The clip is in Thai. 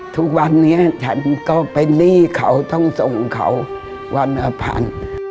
ทุกวันนี้ฉันก็เป็นหนี้เขาต้องส่งเขาวันละพัน